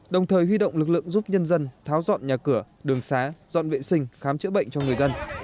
đồng thời huy động lực lượng giúp nhân dân tháo dọn nhà cửa đường xá dọn vệ sinh khám chữa bệnh cho người dân